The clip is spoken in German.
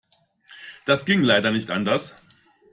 Das ging leider nicht anders.